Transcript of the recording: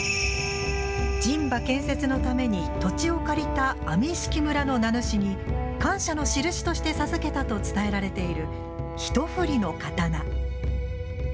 陣場建設のために土地を借りた網一色村の名主に感謝の印として授けたと伝えられている１振りの刀。